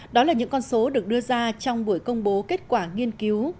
đó là những con số được đưa ra trong buổi công bố kết quả nghiên cứu